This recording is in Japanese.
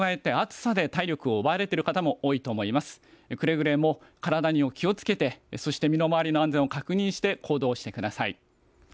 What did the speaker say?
くれぐれも体には気をつけてそして身の回りの安全を確認して行動してください。